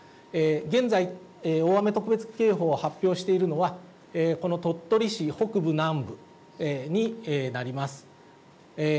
現在、大雨特別警報を発表しているのは、この鳥取市北部、南部になります。